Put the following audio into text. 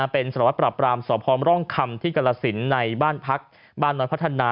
เป็นสละวัดประปรามสภร่องคลำที่กรรศิลป์ในบ้านพักบ้านนอนพัฒนา